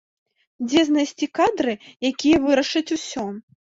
Дзе знайсці кадры, якія вырашаць усё?